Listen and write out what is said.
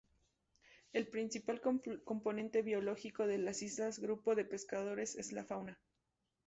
El principal componente biológico de las islas Grupo de Pescadores es la fauna.